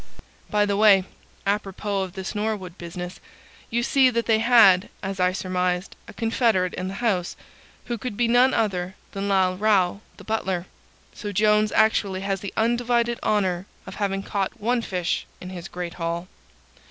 "By the way, à propos of this Norwood business, you see that they had, as I surmised, a confederate in the house, who could be none other than Lal Rao, the butler: so Jones actually has the undivided honour of having caught one fish in his great haul."